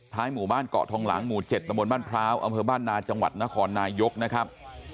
หมู่บ้านเกาะทองหลังหมู่๗ตะบนบ้านพร้าวอำเภอบ้านนาจังหวัดนครนายกนะครับ